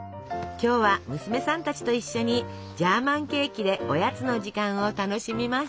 今日は娘さんたちと一緒にジャーマンケーキでおやつの時間を楽しみます。